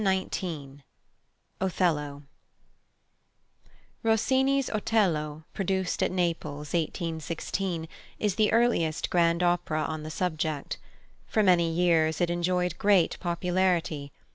OTHELLO Rossini's Otello, produced at Naples, 1816, is the earliest grand opera on the subject. For many years it enjoyed great popularity.